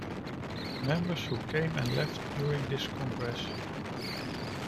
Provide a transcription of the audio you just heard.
Members who came and left during this Congress.